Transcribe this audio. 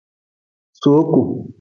Sooku.